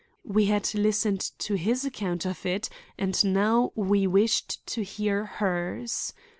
We had listened to his account of it and now we wished to hear hers.